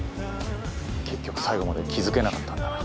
結局最後まで気付けなかったんだな。